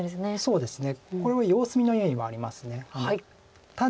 そうですね。